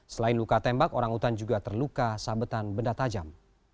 selain luka tembak orangutan juga terluka sabetan benda tajam